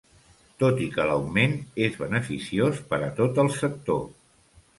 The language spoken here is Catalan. Tot i que l'augment és beneficiós per a tot el sector.